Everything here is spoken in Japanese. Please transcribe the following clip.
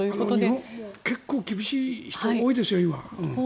日本も結構厳しい人が多いですよ、今。